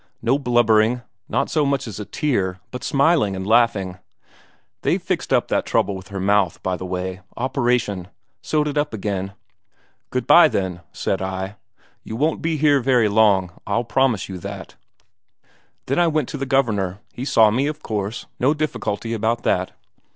No blubbering, not so much as a tear, but smiling and laughing ... they've fixed up that trouble with her mouth, by the way operation sewed it up again. 'Good bye, then,' said I. 'You won't be here very long, I'll promise you that.' "Then I went to the Governor he saw me, of course, no difficulty about that.